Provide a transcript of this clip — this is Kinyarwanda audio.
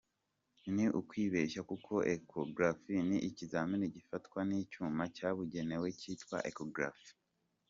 Ni ukwibeshya kuko Echographie ni ikizamini gifatwa n’icyuma cyabugenewe cyitwa Echographe.